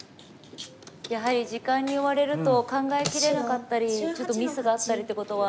やはり時間に追われると考えきれなかったりちょっとミスがあったりってことは。